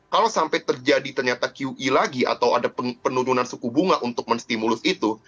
kalau sampai terjadi ternyata qe lagi atau ada penurunan suku bunga untuk menstimulus itu